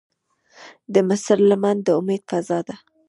د صبر لمن د امید فضا ده.